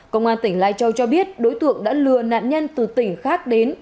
công an tỉnh lai châu cho biết đối tượng đã lừa nạn nhân từ tỉnh khác đến